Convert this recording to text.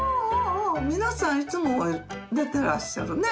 皆さんいつも出てらっしゃるね。